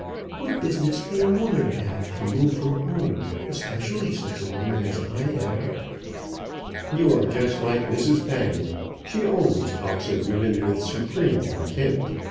What business can a woman have to move from home, especially such a woman as I am." "You are just like Mrs Baggett. She always talks of women with supreme contempt.